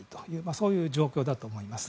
そういう状況だと思います。